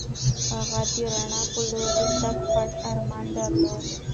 هغه د رڼا په لور د تګ پټ ارمان درلود.